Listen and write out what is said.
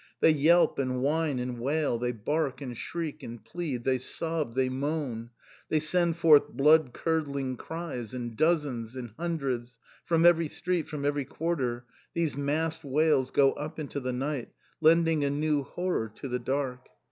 They yelp and whine, and wail, they bark and shriek and plead, they sob, they moan. They send forth blood curdling cries, in dozens, in hundreds, from every street, from every quarter, these massed wails go up into the night, lending a new horror to the dark.